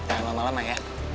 tahan lama lama ya